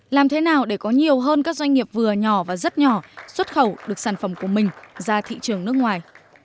làm thế nào để có nhiều hơn các doanh nghiệp vừa nhỏ và rất nhỏ xuất khẩu được sản phẩm của mình ra thị trường nước ngoài